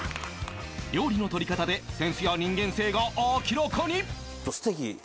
料理の取り方でセンスや人間性が明らかに！